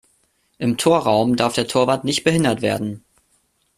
Im Torraum darf der Torwart nicht behindert werden.